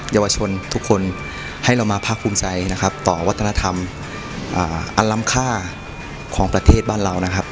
เยาวชนทุกคนให้เรามาภาคภูมิใจนะครับต่อวัฒนธรรมอันลำค่าของประเทศบ้านเรานะครับ